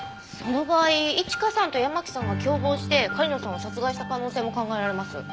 その場合市香さんと山木さんが共謀して狩野さんを殺害した可能性も考えられます。